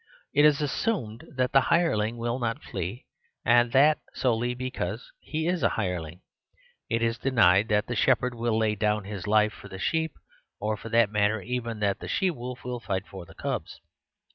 It is assumed that the hireling will not flee, and that solely because he is a hireling. The Story of the Family 77 It is denied that the shepherd will lay down his life for the sheep ; or for that matter, even that the she wolf will fight for the cubs.